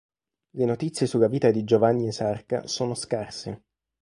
Le notizie sulla vita di Giovanni Esarca sono scarse.